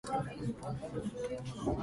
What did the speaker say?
南スーダンの首都はジュバである